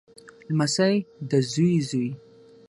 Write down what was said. لمسی دزوی زوی